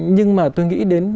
nhưng mà tôi nghĩ đến